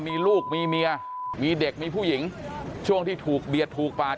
มีลูกมีเมียมีเด็กมีผู้หญิงช่วงที่ถูกเบียดถูกปาด